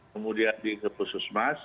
kemudian di puskesmas